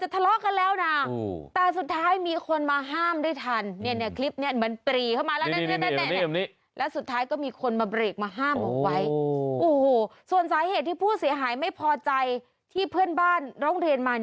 แต่หายไม่พอใจที่เพื่อนบ้านร้องเรียนมา